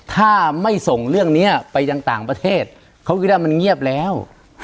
ถ้าไม่ส่งเรื่องนี้ไปยังต่างประเทศเขาคิดว่ามันเงียบแล้ว